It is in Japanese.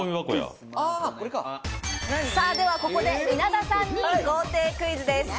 ではここで稲田さんに豪邸クイズです。